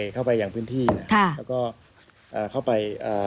เข้าไปอย่างพื้นที่นะครับแล้วก็เข้าไป